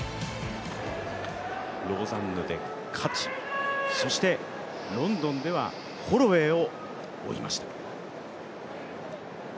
ローザンヌで勝ち、そしてロンドンではホロウェイを追いました。